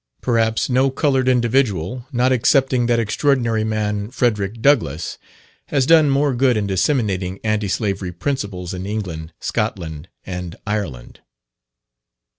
Perhaps no coloured individual, not excepting that extraordinary man, Frederick Douglass, has done more good in disseminating anti slavery principles in England, Scotland, and Ireland.